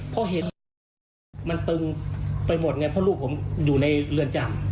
เพราะเหตุผลมันตึงไปหมดไงเพราะลูกผมอยู่ในเรือนจำ